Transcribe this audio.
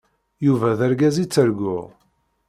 Yuba d argaz i ttarguɣ.